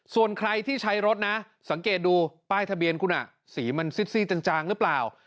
ส่วนใครที่ใช้รถนะสังเกตดูป้ายทะเบียนคุณสีมันซิดซี่จางหรือเปล่า